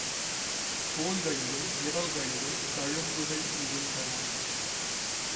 தோள்களிலும் விரல்களிலும் தழும்புகள் இருந்தன.